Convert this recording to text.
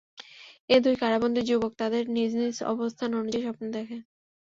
এ দুই কারাবন্দী যুবক তাদের নিজ নিজ অবস্থান অনুযায়ী স্বপ্ন দেখে।